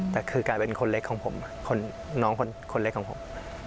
แต่คือกลายเป็นคนเล็กของผมน้องคนเล็กของผม